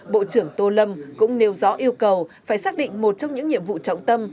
bộ trưởng tô lâm cũng nêu rõ yêu cầu phải xác định một trong những nhiệm vụ trọng tâm